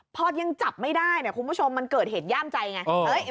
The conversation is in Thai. พอยังจับไม่ได้เนี่ยคุณผู้ชมมันเกิดเหตุย่ามใจไง